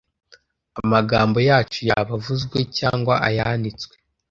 Amagambo yacu yaba avuzwe cyangwa ayanditswe,